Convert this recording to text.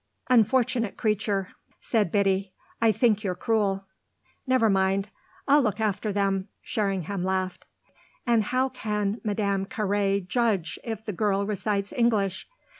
"Unfortunate creature!" said Biddy. "I think you're cruel." "Never mind I'll look after them," Sherringham laughed. "And how can Madame Carré judge if the girl recites English?"